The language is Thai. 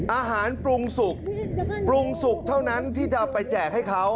อาหารปรุงสุกปรุงสุกเท่านั้นที่จะไปแจกให้เขา